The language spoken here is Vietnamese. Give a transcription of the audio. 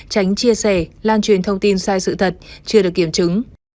tránh chia sẻ lan truyền thông tin sai sự thật chưa được kiểm chứng